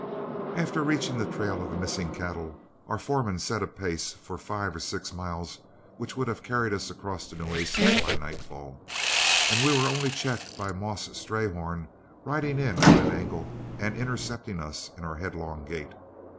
After reaching the trail of the missing cattle, our foreman set a pace for five or six miles which would have carried us across the Nueces by nightfall, and we were only checked by Moss Strayhorn riding in on an angle and intercepting us in our headlong gait.